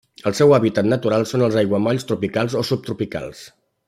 El seu hàbitat natural són els aiguamolls tropicals o subtropicals.